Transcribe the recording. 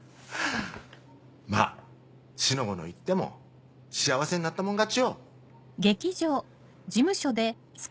まぁ四の五の言っても幸せになったもん勝ちよ！